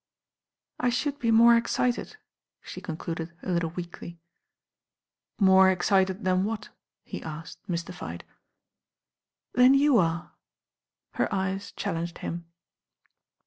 "I should be more excited," she concluded a lit tle weakly. ••More excited than what?" he asked mystified. '•Than you are." Her eyes challenged him.